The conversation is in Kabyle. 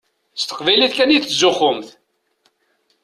S teqbaylit kan i tettzuxxumt.